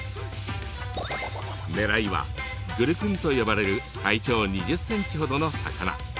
狙いはグルクンと呼ばれる体長２０ｃｍほどの魚。